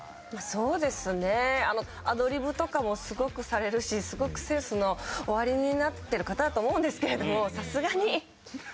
そうですねアドリブとかもすごくされるしすごくセンスのおありになってる方だと思うんですけれども。